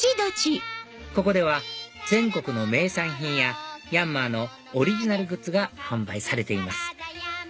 ここでは全国の名産品やヤンマーのオリジナルグッズが販売されています